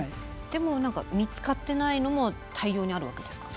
でも見つかってないのも大量にあるわけですか。